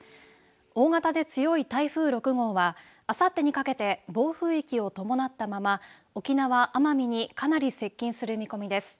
大型で強い台風６号はあさってにかけて暴風域を伴ったまま沖縄、奄美にかなり接近する見込みです。